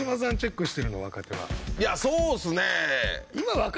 いやそうですね。